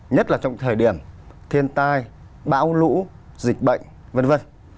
nhất là trong thời điểm thiên tai bão lũ dịch bệnh v v